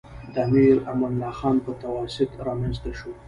د امیر امان الله خان په تواسط رامنځته شو.